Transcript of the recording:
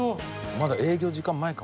まだ営業時間前かも。